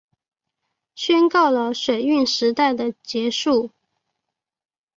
宣告了水运时代的结束